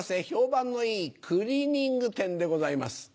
評判のいいクリーニング店でございます。